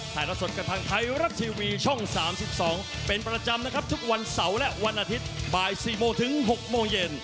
ถ่ายละสดกับทางไทยรัฐทีวีช่อง๓๒เป็นประจำนะครับทุกวันเสาร์และวันอาทิตย์บ่าย๔โมงถึง๖โมงเย็น